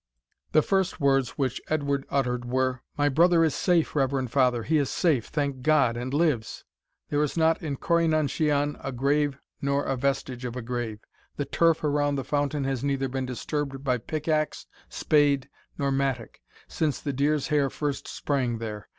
The first words which Edward uttered were, "My brother is safe, reverend father he is safe, thank God, and lives! There is not in Corri nan shian a grave, nor a vestige of a grave. The turf around the fountain has neither been disturbed by pick axe, spade, nor mattock, since the deer's hair first sprang there.